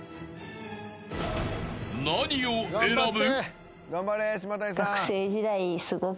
［何を選ぶ？］